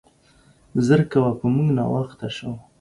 زر کوه, په مونګ ناوخته شو.